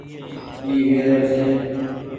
اي ويرو ڇي۔